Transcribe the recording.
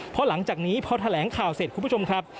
เพราะหลังจากนี้พอแถลงข่าวเสร็จคุณผู้ชมครับ